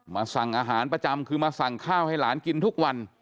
สั่งอาหารประจำคือมาสั่งข้าวให้หลานกินทุกวัน